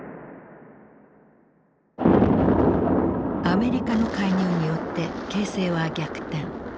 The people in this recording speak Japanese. アメリカの介入によって形勢は逆転。